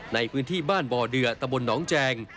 ในพื้นที่บ้านบ่อเดือตะบลหนองแจง